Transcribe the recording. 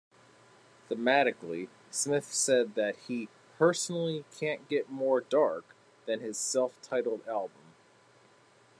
Thematically, Smith said that he "personally can't get more dark" than his self-titled album.